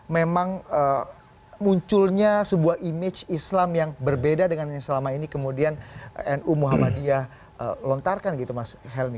memang munculnya sebuah image islam yang berbeda dengan yang selama ini kemudian nu muhammadiyah lontarkan gitu mas helmi